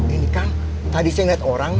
ini kan tadi saya lihat orang